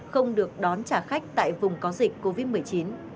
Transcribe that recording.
không được đón trả khách tại vùng có dịch covid một mươi chín